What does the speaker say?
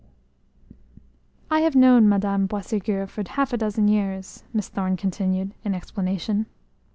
"I have known Madame Boisségur for half a dozen years," Miss Thorne continued, in explanation.